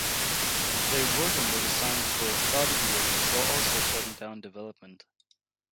They worked on the design for about a year before also shutting down development.